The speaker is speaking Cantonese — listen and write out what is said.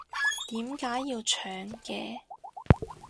點解要搶嘅？